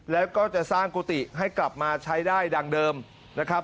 แล้วก็จะสร้างกุฏิให้กลับมาใช้ได้ดังเดิมนะครับ